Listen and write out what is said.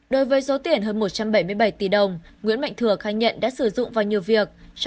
đối với số tiền hơn một trăm bảy mươi bảy tỷ đồng nguyễn mạnh thừa khai nhận đã sử dụng vào nhiều việc